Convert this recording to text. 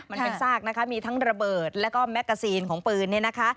มันเป็นซากนะคะมีทั้งระเบิดแล้วก็แมกกาซีนของปืนเนี่ยนะคะ